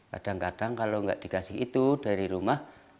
kadang kadang kalau nggak dikasih itu dari rumah